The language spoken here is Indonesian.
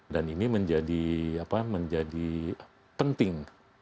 dan ini menjadi apaan menjadi penting